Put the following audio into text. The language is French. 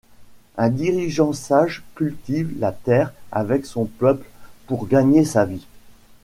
Un dirigeant sage cultive la terre avec son peuple pour gagner sa vie.